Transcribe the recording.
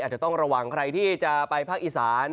อาจจะต้องระวังใครที่จะไปภาคอีสาน